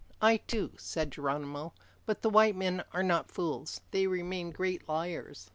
"I too," said Geronimo, "but the white men are not fools. They remain great liars.